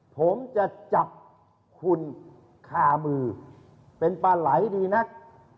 ผมจะจับคุณคามือเป็นปลาไหลดีนัก